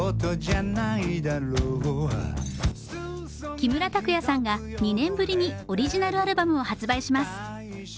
木村拓哉さんが２年ぶりにオリジナルアルバムを発売します。